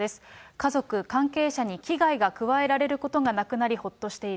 家族、関係者に危害が加えられることがなくなり、ほっとしている。